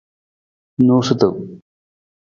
Noosutu.